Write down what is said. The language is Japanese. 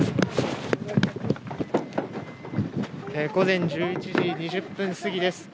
午前１１時２０分過ぎです。